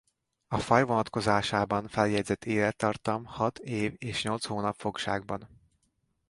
A faj vonatkozásában feljegyzett élettartam hat év és nyolc hónap fogságban.